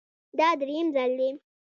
دا درېیم ځل دی